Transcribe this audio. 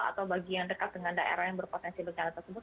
atau bagi yang dekat dengan daerah yang berpotensi bencana tersebut